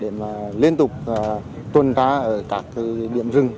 để mà liên tục tuân tá ở các điểm rừng